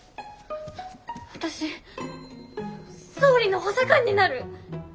私総理の補佐官になる！